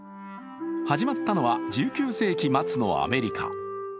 始まったのは１９世紀末のアメリカ。